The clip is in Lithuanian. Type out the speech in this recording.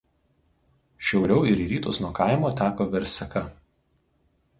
Šiauriau ir į rytus nuo kaimo teka Verseka.